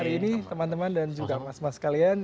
hari ini teman teman dan juga mas mas kalian